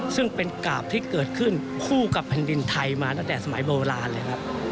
ซึ่งเป็นกาบที่เกิดขึ้นคู่กับแผ่นดินไทยมาตั้งแต่สมัยโบราณเลยครับ